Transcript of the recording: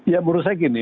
ya menurut saya gini